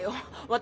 私